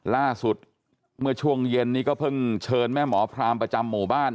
ล่าสุดเมื่อช่วงเย็นนี้ก็เพิ่งเชิญแม่หมอพรามประจำหมู่บ้าน